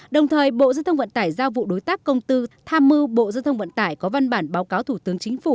đồng thời bộ giao thông vận tải giao vụ đối tác công tư tham mưu bộ giao thông vận tải có văn bản báo cáo thủ tướng chính phủ